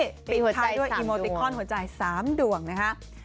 ทั้งด้วยอีโมติคอลหัวใจ๓ดวงนะครับ